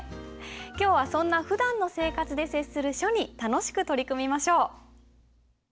今日はそんなふだんの生活で接する書に楽しく取り組みましょう。